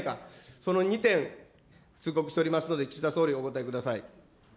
その２点、通告しておりますので、岸田総理、お答えください。